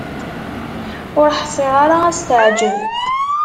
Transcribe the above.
Ur ḥṣiɣ ara ad s-teɛǧeb.